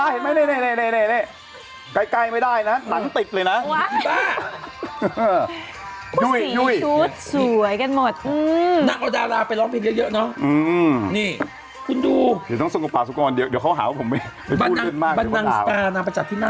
เหมือนเครีโยภัตรา